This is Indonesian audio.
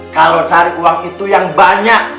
kalau cari uang itu yang banyak